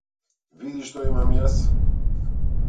Види што имам јас.